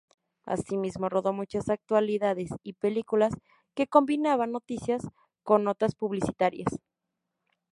Asimismo rodó muchas actualidades y películas que combinaban noticias con notas publicitarias.